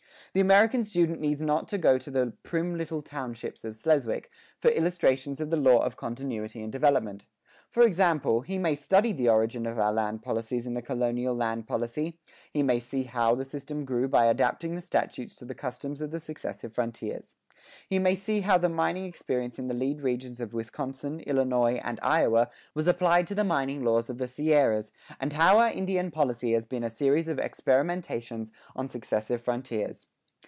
The American student needs not to go to the "prim little townships of Sleswick" for illustrations of the law of continuity and development. For example, he may study the origin of our land policies in the colonial land policy; he may see how the system grew by adapting the statutes to the customs of the successive frontiers.[10:1] He may see how the mining experience in the lead regions of Wisconsin, Illinois, and Iowa was applied to the mining laws of the Sierras,[10:2] and how our Indian policy has been a series of experimentations on successive frontiers.